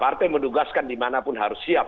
partai mendugaskan dimanapun harus siap